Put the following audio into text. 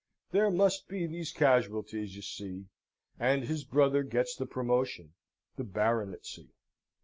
There must be these casualties, you see; and his brother gets the promotion the baronetcy."